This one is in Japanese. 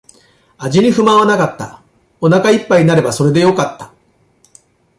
味に不満はなかった。お腹一杯になればそれでよかった。